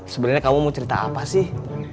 sebenarnya kamu mau cerita apa sih